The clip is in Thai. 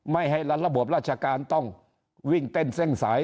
ไม่ให้ระบบราชการต้องวิ่งเต้นเส้นสาย